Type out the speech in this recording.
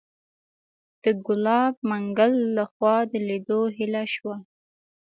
د ګلاب منګل لخوا د لیدو هیله شوه.